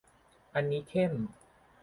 อันนี้เข้ม